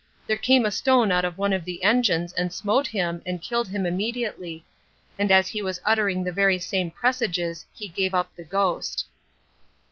there came a stone out of one of the engines, and smote him, and killed him immediately; and as he was uttering the very same presages he gave up the ghost.